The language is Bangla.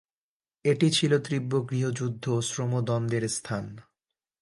এটি ছিল তীব্র গৃহযুদ্ধ ও শ্রম দ্বন্দ্বের স্থান।